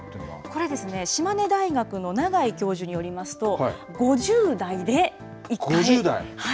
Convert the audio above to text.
これはですね、島根大学の長井教授によりますと、５０代？